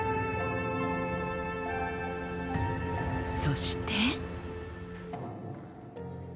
そして。